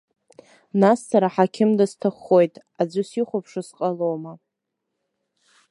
Нас сара аҳақьым дысҭаххоит, аӡәы сихәаԥшуа сҟалома!